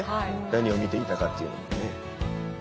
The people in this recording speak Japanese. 何を見ていたかっていうのもね。